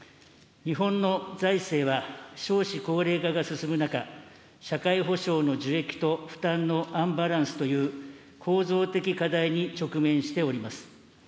日本の財政は、少子高齢化が進む中、社会保障の受益と負担のアンバランスという、構造的課題に直面しております。